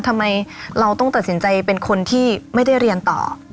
ทำไมเราต้องตัดสินใจเป็นคนที่ไม่ได้เรียนต่อ